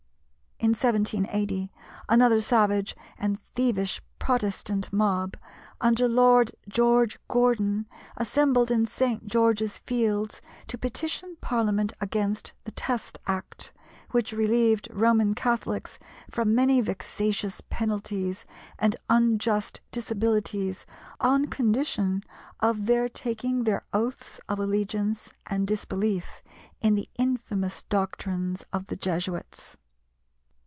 In 1780 another savage and thievish Protestant mob, under Lord George Gordon, assembled in St. George's Fields to petition Parliament against the Test Act, which relieved Roman Catholics from many vexatious penalties and unjust disabilities on condition of their taking their oaths of allegiance and disbelief in the infamous doctrines of the Jesuits.